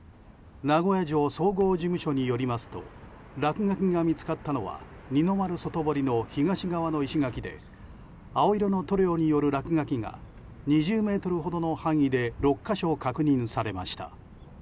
名古屋城総合事務所によりますと落書きが見つかったのは二之丸外堀の東側の石垣で青色の塗料による落書きが２０ｍほどの範囲で６か所確認されました。